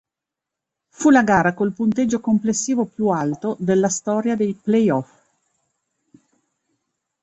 Fu la gara col punteggio complessivo più alto della storia dei playoff.